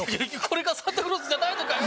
これがサンタクロースじゃないのかよ！